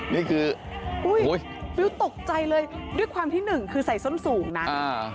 นี่คือโอ้ยวิวตกใจเลยด้วยความที่๑คือใส่ซ้มสูงนั้น